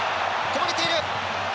こぼれている。